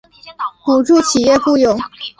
补助企业雇用